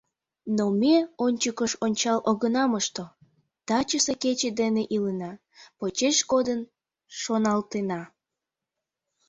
Но ме ончыкыш ончал огына мошто, тачысе кече дене илена, почеш кодын шоналтена.